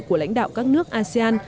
của lãnh đạo các nước asean